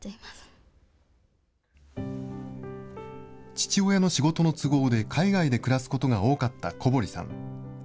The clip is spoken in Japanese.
父親の仕事の都合で、海外で暮らすことが多かった小堀さん。